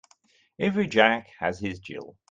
Every Jack has his Jill.